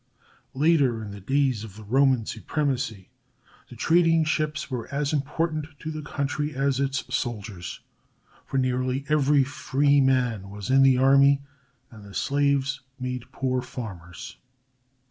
Later, in the days of the Roman supremacy, the trading ships were as important to the country as its soldiers, for nearly every free man was in the army, and the slaves made poor farmers.